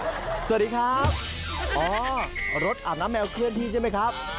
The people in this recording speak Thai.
สวัสดีครับอ๋อรถอาบน้ำแมวเคลื่อนที่ใช่ไหมครับ